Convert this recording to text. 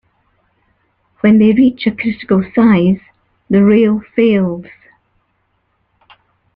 When they reach a critical size, the rail fails.